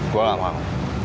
gue gak mau